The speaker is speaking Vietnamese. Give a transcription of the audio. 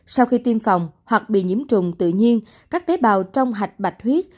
sau khi tiêm phòng hoặc bị nhiễm trùng tự nhiên các tế bào trong hạch bạch bạch huyết